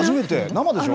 生でしょ？